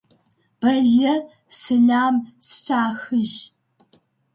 Бэллэ сэлам сфяхыжь.